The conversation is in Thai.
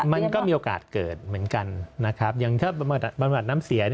มันก็มีโอกาสเกิดเหมือนกันนะครับอย่างถ้าบำบัดน้ำเสีย